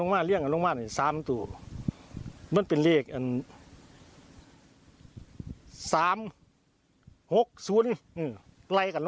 นั่งงั้นฟังเสียงพี่เขาเลยค่ะ